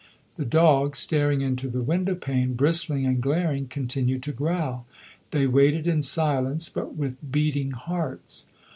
The dog, staring into the window pane, bristling and glaring, continued to growl. They waited in silence, but with beating hearts.